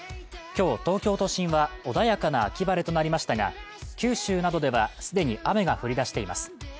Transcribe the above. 今日、東京都心は穏やかな秋晴れとなりましたが九州などでは既に雨が降り出しています。